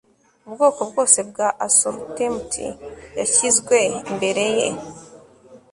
ubwoko bwose bwa assortment yashyizwe imbere ye